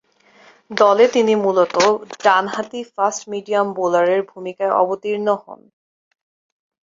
দলে তিনি মূলতঃ ডানহাতি ফাস্ট-মিডিয়াম বোলারের ভূমিকায় অবতীর্ণ হন।